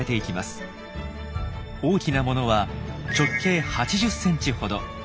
大きなものは直径８０ｃｍほど。